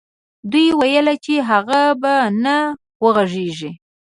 دوی ويل چې هغه به نه وغږېږي.